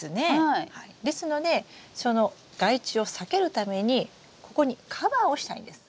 ですのでその害虫を避けるためにここにカバーをしたいんです。